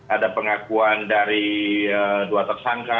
ada pengakuan dari dua tersangka